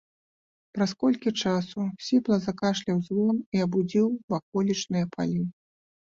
Праз колькі часу сіпла закашляў звон і абудзіў ваколічныя палі.